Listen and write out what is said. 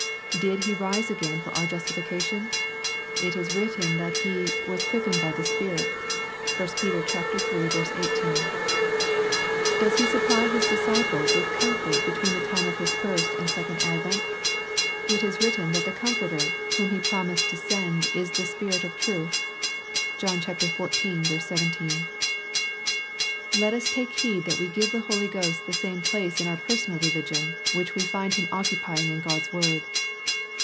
Did He rise again for our justification ? It is written that He " was quickened by the Spirit." (1 Peter iii. 18.) Does He supply His disciples with comfort between the 28 EXP08IT0BY TH0J0HT8. time of His fint and second advent ? It is written that the Comforter, whom He promised to send is ''the Spirit of truth." (John xiv. 17.) Let ns take heed that we give the Holy Ghost the same place in our personal religion, which we find Him occupying in God's word.